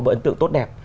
một ấn tượng tốt đẹp